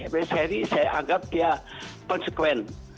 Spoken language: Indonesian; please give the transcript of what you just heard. prince harry saya anggap dia konsekuens